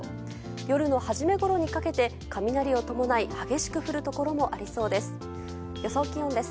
夜の初めごろにかけて雷を伴い激しく降るところもありそうです。